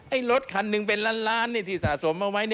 ไอ้รถคันหนึ่งเป็นลานที่สะสมมาไหน